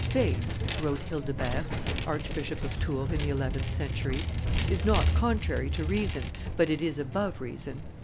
"Faith," wrote Hildebert, Archbishop of Tours, in the eleventh century, "is not contrary to reason, but it is above reason.